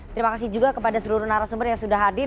terima kasih juga kepada seluruh narasumber yang sudah hadir